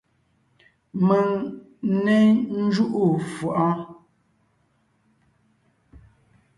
Mèŋ n né ńjúʼu fʉʼɔɔn!